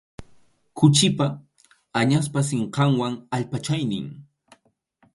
Khuchipa, añaspa sinqanwan allpachaynin.